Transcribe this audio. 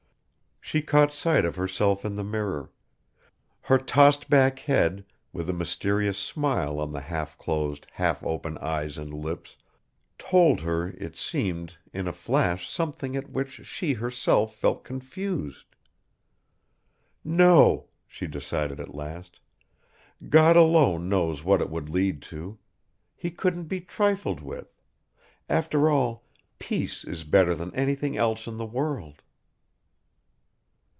. she caught sight of herself in the mirror; her tossed back head, with a mysterious smile on the half closed, half open eyes and lips, told her, it seemed, in a flash something at which she herself felt confused ... "No," she decided at last. "God alone knows what it would lead to; he couldn't be trifled with; after all, peace is better than anything else in the world."